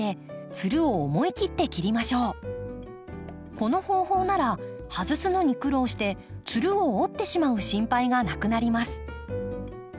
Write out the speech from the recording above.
この方法なら外すのに苦労してつるを折ってしまう心配がなくなります。